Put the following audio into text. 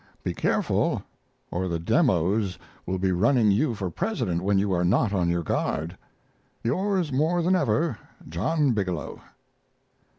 Be careful, or the Demos will be running you for President when you are not on your guard. Yours more than ever, JOHN BIGELOW.